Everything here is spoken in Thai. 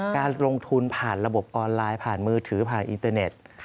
การลงทุนผ่านระบบออนไลน์ผ่านมือถือผ่านอินเตอร์เน็ต